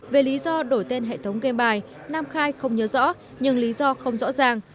về lý do đổi tên hệ thống gam bài nam khai không nhớ rõ nhưng lý do không rõ ràng